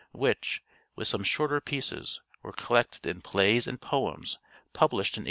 which, with some shorter pieces, were collected in 'Plays and Poems,' published in 1856.